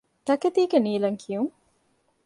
ތަކެތީގެ ނީލަންކިޔުން